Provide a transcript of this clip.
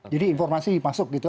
jadi informasi masuk gitu